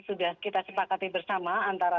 sudah kita sepakati bersama antara